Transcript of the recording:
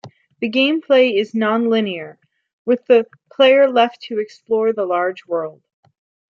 The gameplay is non linear, with the player left to explore the large world.